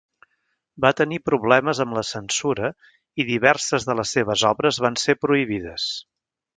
Va tenir problemes amb la censura i diverses de les seves obres van ser prohibides.